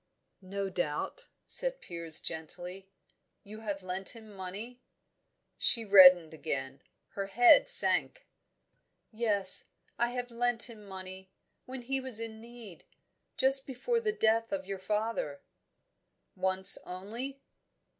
"No doubt," said Piers gently, "you have lent him money?" She reddened again; her head sank. "Yes I have lent him money, when he was in need. Just before the death of your father." "Once only?"